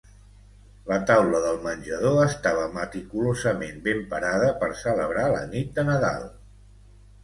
La taula del menjador estava meticulosament ben parada per celebrar la nit de Nadal